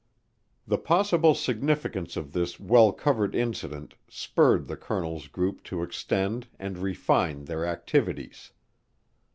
The possible significance of this well covered incident spurred the colonel's group to extend and refine their activities.